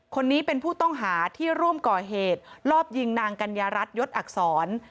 คนนี้เป็นผู้ต้องหาที่ร่วมก่อเหตุลอบยิงนางกัญญารัฐยศอักษร